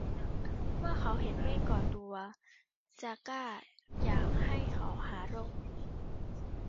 เมื่อเขาเห็นเมฆก่อตัว จาก้าอยากให้เขาหาร่ม